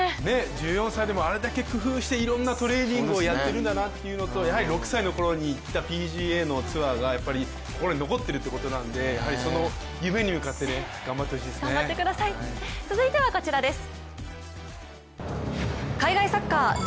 １４歳でもあれだけ工夫していろんなトレーニングやってるんだなってやはり６歳の頃に行ったＰＧＡのツアーが心に残ってるってことなんで夢に向かって続いてはこちらです。